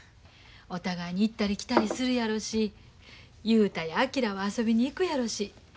お互いに行ったり来たりするやろし雄太や昭は遊びに行くやろし。